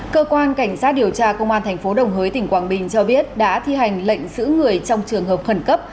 cơ quan cảnh sát điều tra công an tp đồng hới tỉnh quảng bình cho biết đã thi hành lệnh giữ người trong trường hợp khẩn cấp